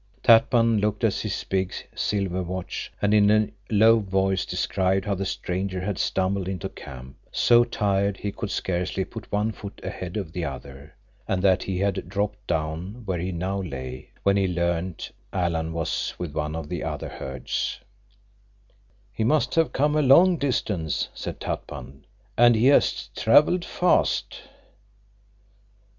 Tatpan looked at his big, silver watch and in a low voice described how the stranger had stumbled into camp, so tired he could scarcely put one foot ahead of the other; and that he had dropped down where he now lay when he learned Alan was with one of the other herds. [Illustration: The man wore a gun ... within reach of his hand.] "He must have come a long distance," said Tatpan, "and he has traveled fast."